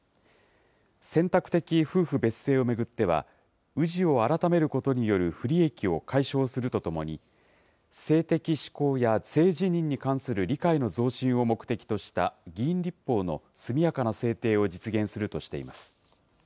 選択的夫婦別姓を巡っては、氏を改めることによる不利益を解消するとともに、性的指向や性自認に関する理解の増進を目的とした議員立法の速やかな制定を実現するとしています。